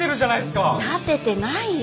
立ててないよ。